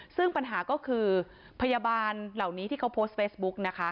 ซึ่งปัญหาก็คือพยาบาลเหล่านี้ที่เขาโพสต์เฟซบุ๊กนะคะ